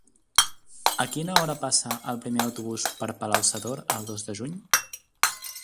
A quina hora passa el primer autobús per Palau-sator el dos de juny?